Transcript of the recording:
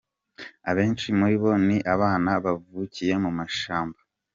Abenshi muri bo ni abana bavukiye mu mashyamba.